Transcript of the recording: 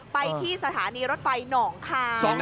ไปที่สถานีรถไฟหนองคาย